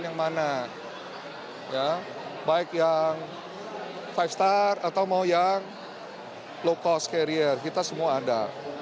yang mana baik yang lima star atau mau yang low cost carrier kita semua ada